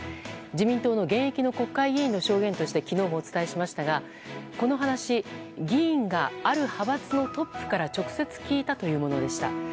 自民党の現役の国会議員の証言として昨日もお伝えしましたがこの話議員が、ある派閥のトップから直接聞いたというものでした。